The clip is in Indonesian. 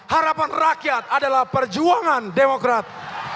harapan rakyat adalah perjuangan demokrat